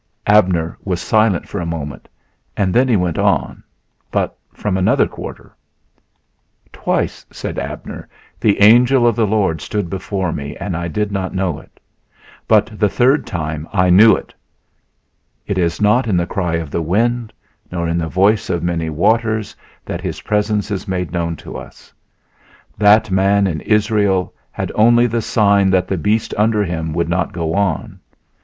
Abner was silent for a moment and then he went on, but from another quarter. "Twice," said Abner, "the Angel of the Lord stood before me and I did not know it; but the third time I knew it. It is not in the cry of the wind, nor in the voice of many waters that His presence is made known to us. That man in Israel had only the sign that the beast under him would not go on.